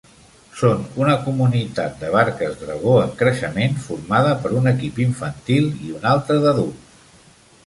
Són una comunitat de barques dragó en creixement formada per un equip infantil i un altre d'adults.